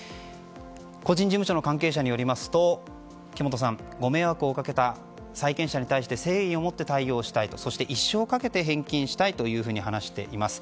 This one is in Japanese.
個人事務所の関係者によりますと木本さん、ご迷惑をかけた債権者に対して誠意を持って対応したいそして一生かけて返金したいと話しています。